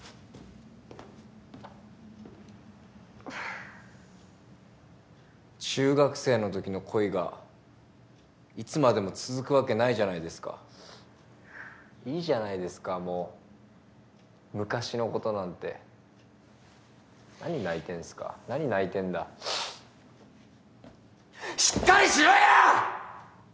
ううっ中学生のときの恋がいつまでも続くわけないじゃないですかいいじゃないですかもう昔のことなんて何泣いてんすか何泣いてんだしっかりしろや！